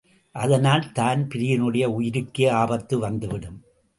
அதனால் தான்பிரீனுடைய உயிருக்கே ஆபத்து வந்துவிடும்.